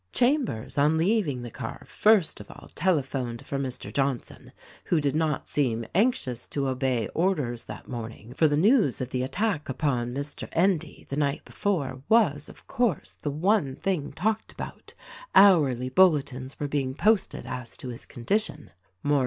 Chambers, on leaving the car, first of all telephoned for Mr. Johnson who did not seem anxious to obey orders that morning; for the news of the attack upon Mr. Endy, the night before, was, of course, the one thing talked about — hourly bulletins were being posted as to his condition.